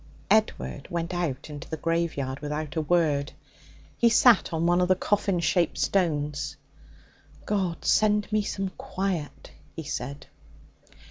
Edward went out into the graveyard without a word. He sat on one of the coffin shaped stones. 'God send me some quiet!' he said.